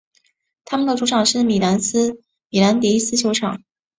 他们的主场是米兰迪斯球场。